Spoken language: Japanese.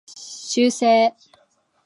修正